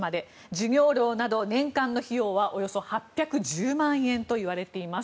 授業料など年間の費用はおよそ８１０万円といわれています。